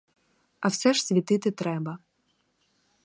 А все ж світити треба.